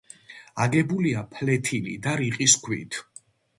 აგებულია ფლეთილი და რიყის ქვით.